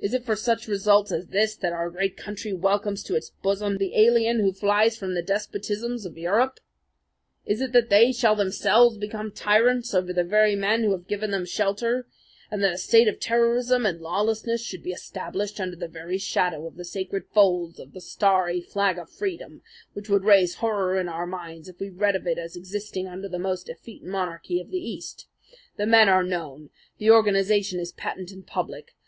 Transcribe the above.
Is it for such results as this that our great country welcomes to its bosom the alien who flies from the despotisms of Europe? Is it that they shall themselves become tyrants over the very men who have given them shelter, and that a state of terrorism and lawlessness should be established under the very shadow of the sacred folds of the starry Flag of Freedom which would raise horror in our minds if we read of it as existing under the most effete monarchy of the East? The men are known. The organization is patent and public.